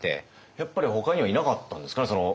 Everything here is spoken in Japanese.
やっぱりほかにはいなかったんですかね？